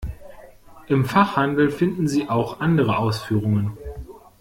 Im Fachhandel finden Sie auch andere Ausführungen.